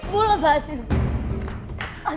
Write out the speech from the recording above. bu lepas ya